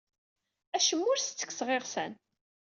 Acemma ur as-ttekkseɣ iɣsan.